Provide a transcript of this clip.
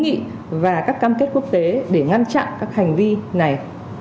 nghị và các cam kết quốc tế để ngăn chặn các hành vi này